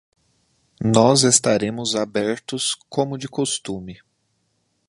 Nós estaremos abertos como de costume.